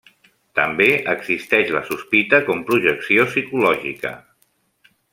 També existeix la sospita com projecció psicològica.